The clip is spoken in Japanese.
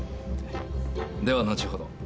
では後ほど。